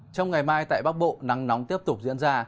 trong ngày mai tại bắc bộ nắng nóng tiếp tục diễn ra